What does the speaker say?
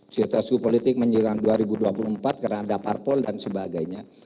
situasi politik menjelang dua ribu dua puluh empat karena ada parpol dan sebagainya